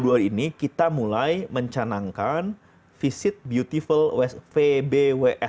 nah dua ribu dua puluh dua ini kita mulai mencanangkan visit beautiful west sumatra